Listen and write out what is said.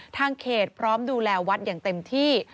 ทางเขตพร้อมดูแลวัดอย่างเต็มที่